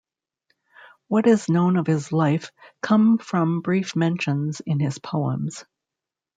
What is known of his life come from brief mentions in his poems.